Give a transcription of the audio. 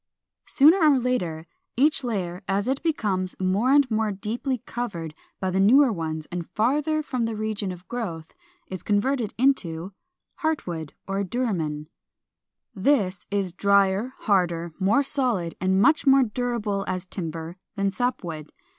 Sooner or later, each layer, as it becomes more and more deeply covered by the newer ones and farther from the region of growth, is converted into 437. =Heart wood, or Duramen.= This is drier, harder, more solid, and much more durable as timber, than sap wood.